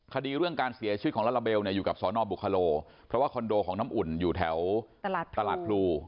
เรื่องการเสียชีวิตของลาลาเบลอยู่กับสอนอบุคโลเพราะว่าคอนโดของน้ำอุ่นอยู่แถวตลาดพลู